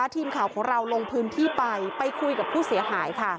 ทีมข่าวของเราลงพื้นที่ไปไปคุยกับผู้เสียหายค่ะ